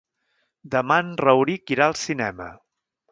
Demà en Rauric irà al cinema.